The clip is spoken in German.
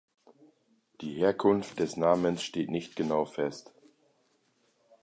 Die Herkunft des Namens steht nicht genau fest.